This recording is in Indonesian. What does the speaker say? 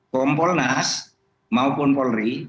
kompolnas maupun polri